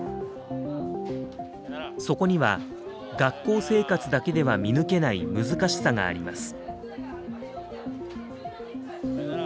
そこには学校生活だけでは見抜けない難しさがあります。